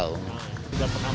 jantung pisang atau belum